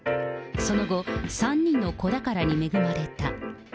その後、３人の子宝に恵まれた。